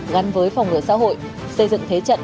gắn với phòng ngừa xã hội xây dựng thế trận